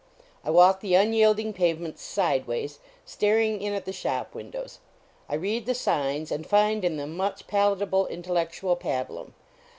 I walk the unyielding pave ments sideways, staring in at the shop win dows. I read the signs, and find in them much palatable intellectual pabulum.